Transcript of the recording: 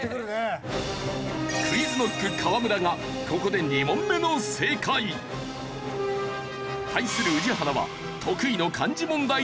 ＱｕｉｚＫｎｏｃｋ河村がここで２問目の正解！対する宇治原は得意の漢字問題でミス。